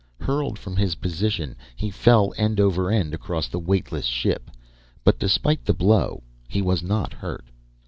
Hurled from his position, he fell end over end across the weightless ship, but despite the blow, he was not hurt.